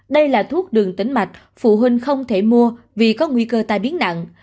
đây là thuốc đường tĩnh mạch phụ huynh không thể mua vì có nguy cơ tai biến nặng